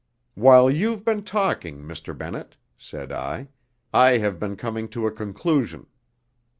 "While you've been talking, Mr. Bennett," said I, "I have been coming to a conclusion."